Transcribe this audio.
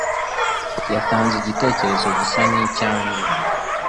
Yatanze igitekerezo gisa nicyanjye.